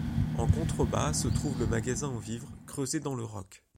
En contrebas se trouve le magasin aux vivres, creusé dans le roc.